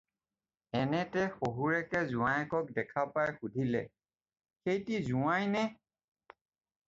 "এনেতে শহুৰেকে জোঁৱায়েকক দেখা পাই সুধিলে, "সেইটি জোঁৱাইনে?"